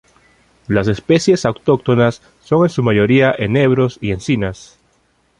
Las especies autóctonas son en su mayoría enebros y encinas.